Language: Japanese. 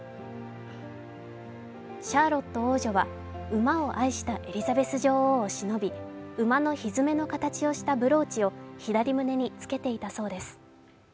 シャーロット王女は、馬を愛したエリザベス女王を偲び馬のひずめの形をしたブローチを左胸に着けていたそうです。